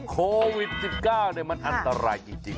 โควิด๑๙มันอันตรายจริง